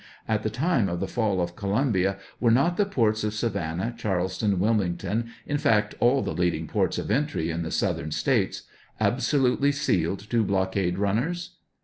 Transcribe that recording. At the time of the fall of Columbia, were not the ports of Savannah, Charleston, Wilmington — in fact, all the leading ports of entry in the Southern States — absolutely sealed to blockade runners